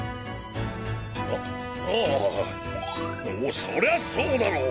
あああそりゃそうだろう！